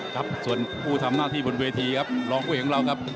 ครับส่วนผู้ทำหน้าที่บนเวทีครับรองผู้ของเราครับ